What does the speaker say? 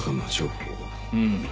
うん。